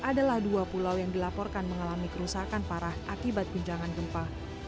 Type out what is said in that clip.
adalah dua pulau yang dilaporkan mengalami kerusakan parah akibat guncangan gempa